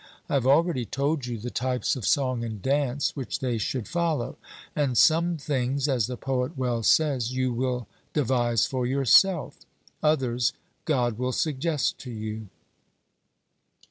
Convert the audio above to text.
I have already told you the types of song and dance which they should follow: and 'Some things,' as the poet well says, 'you will devise for yourself others, God will suggest to you.'